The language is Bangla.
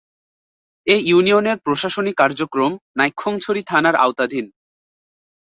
এ ইউনিয়নের প্রশাসনিক কার্যক্রম নাইক্ষ্যংছড়ি থানার আওতাধীন।